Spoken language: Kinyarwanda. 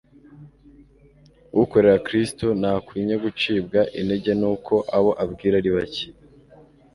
Ukorera Kristo ntakwinye gucibwa intege nuko abo abwira ari bake.